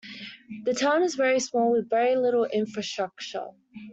The town is very small with very little infrastructure.